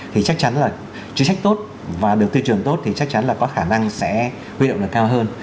thì chắc chắn là chính sách tốt và được tư trường tốt thì chắc chắn là có khả năng sẽ huy động được cao hơn